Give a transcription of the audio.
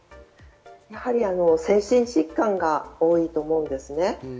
やはり精神疾患が多いと思うんですね。